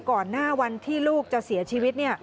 ก่อนหน้าวันที่ลูกจะเสียชีวิต